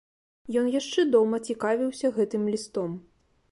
Ён яшчэ дома цікавіўся гэтым лістом.